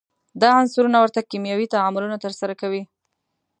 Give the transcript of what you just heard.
دا عنصرونه ورته کیمیاوي تعاملونه ترسره کوي.